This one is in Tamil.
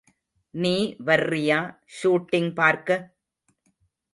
நீ வர்றியா ஷூட்டிங் பார்க்க?